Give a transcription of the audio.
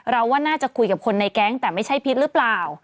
ว่าน่าจะคุยกับคนในแก๊งแต่ไม่ใช่พิษหรือเปล่า